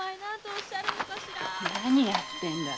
何やってんだい